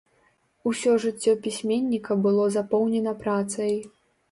Усё жыццё пісьменніка было запоўнена працай.